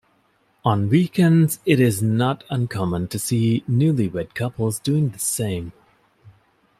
On weekends it is not uncommon to see newlywed couples doing the same.